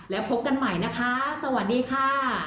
แล้วพบกันใหม่นะคะสวัสดีค่ะ